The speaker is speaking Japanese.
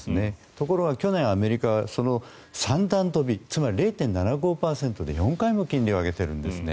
ところが去年、アメリカは三段跳びつまり０．７５％で４回も金利を上げてるんですね。